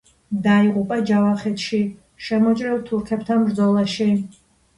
დაიღუპა ჯავახეთში შემოჭრილ თურქებთან ბრძოლაში.